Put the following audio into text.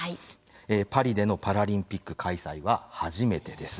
パリでのパラリンピック開催は初めてです。